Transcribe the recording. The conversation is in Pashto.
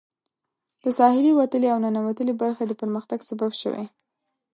د ساحلي وتلې او ننوتلې برخې د پرمختګ سبب شوي.